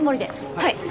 はい。